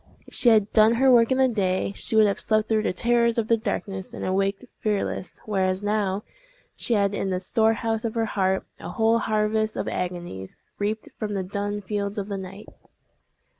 If she had done her work in the day, she would have slept through the terrors of the darkness, and awaked fearless; whereas now, she had in the storehouse of her heart a whole harvest of agonies, reaped from the dun fields of the night!